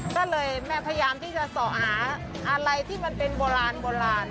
ก็เลยแม่พยายามที่จะส่อหาอะไรที่มันเป็นโบราณโบราณ